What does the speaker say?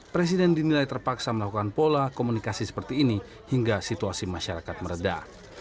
presiden dinilai terpaksa melakukan pola komunikasi seperti ini hingga situasi masyarakat meredah